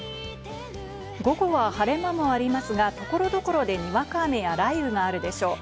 午後は晴れ間もありますが、所々でにわか雨や雷雨があるでしょう。